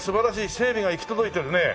整備が行き届いてるね。